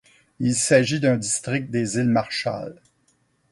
Il s'agit d'un district des îles Marshall.